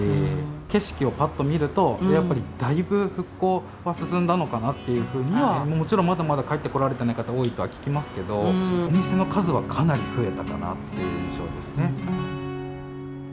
景色をパッと見るとやっぱりもちろんまだまだ帰ってこられてない方多いとは聞きますけどお店の数はかなり増えたかなっていう印象ですね。